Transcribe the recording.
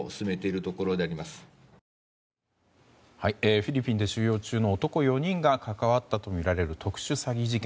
フィリピンで収容中の男４人が関わったとみられる特殊詐欺事件。